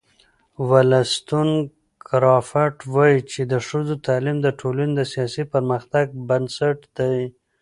ولستون کرافټ وایي چې د ښځو تعلیم د ټولنې د سیاسي پرمختګ بنسټ دی.